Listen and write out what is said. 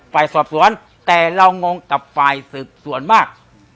ฝ่ายสอบสวนแต่เรางงกับฝ่ายสืบสวนมาก